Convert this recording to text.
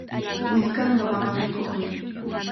Willkanqa mamanrikuqmi.